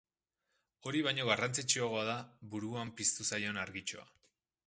Hori baino garrantzitsuagoa da buruan piztu zaion argitxoa.